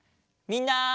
みんな。